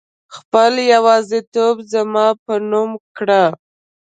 خپل يوازيتوب زما په نوم کړه